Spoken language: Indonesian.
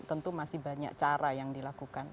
tentu masih banyak cara yang dilakukan